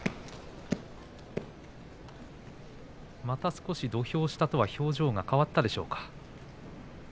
また少し土俵下とは表情が変わったでしょうか。